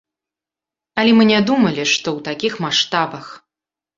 Але мы не думалі, што ў такіх маштабах!